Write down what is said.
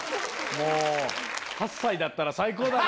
もう、８歳だったら最高だね。